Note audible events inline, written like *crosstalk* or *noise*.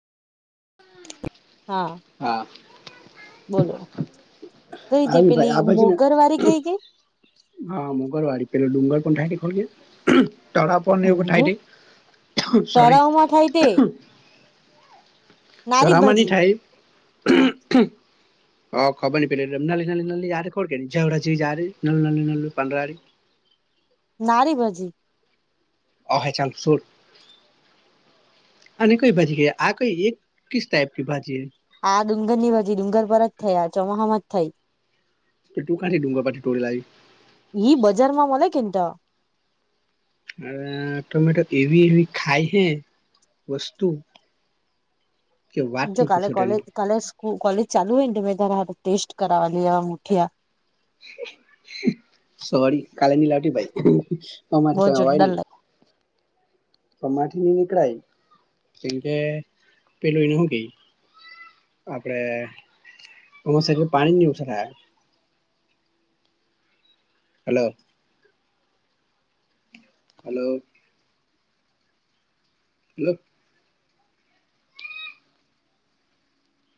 હા હા. બોલો કઈ તે આવી ભાઈ આ પેલી બાજુ ને મોગરવારે કઈ કેઈ. હા મંગળવાડી પેલો ડુંગર પણ થાય ખોલ ગ તરા પને પઠાય ડુંગર દ સરી તળાવમાં થાય તે નારી ધરામાની ભજી થઠાય હા હ ખબ નની પે નલલી યાર કોડેની જવળજી યારી નલ નલ નલ પંદારી. નારી ભાજી. અહે ચાંદસર. અને કોઈ ભાજી ક આ કોઈ એક કિસ ટાઈપ કિ ભાજી હૈ. આ ડુંગર ની બાછી ડુંગર પર જ થયા આ ચોમાહામાં જ થઈ. તો તું કાંથી ડુંગર પાથી ટોળી લાવી. એઈ બજારમાં મલા કેતા. અ ટમેટો એવી એવી ખાય હે વસ્તુ. *inaudible* જો નહીં કાલે પૂછો કોલેજ તેની કાલે કોલેજ ચાલુ હોય નેમે ત ટેસ્ટ કરાવવાલી મુઠીઆ. સોરી કાલે ની લાવતી ભાઈ બહુ કરી ભાઈ ન. જોરદાર લાગે તો માઠ ની નીકળાય. એ કે પેલોઈ નહિ ગઈ. આપડે અ પાણી નની ઓછ થાય. હલો. હલો. હલો.